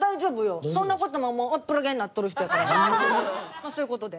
まあそういう事で。